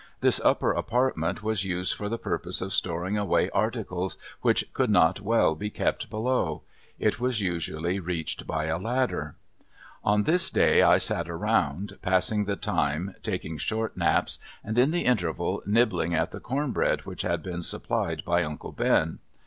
This upper apartment was used for the purpose of storing away articles which could not well be kept below. It was usually reached by a ladder. On this day I sat around, passing the time taking short naps, and in the interval nibbling at the corn bread which had been supplied by uncle Ben.